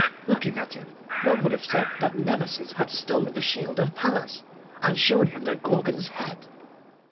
Looking at him, one would have said that Nemesis had stolen the shield of Pallas, and shown him the Gorgon's head.